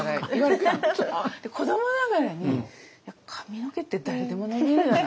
子どもながらに「いや髪の毛って誰でも伸びるよな」